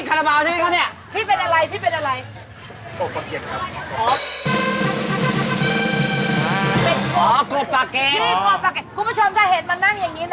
คุณผู้ชมถ้าเห็นมันนั่งอย่างนี้ไม่ต้องขอบเลขไก่นะ